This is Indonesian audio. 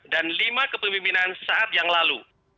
dan lima kepemimpinan saat yang lalu